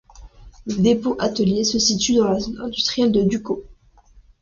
Le dépôt-atelier se situe dans la zone industrielle de Ducos.